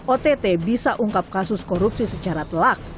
ott bisa ungkap kasus korupsi secara telak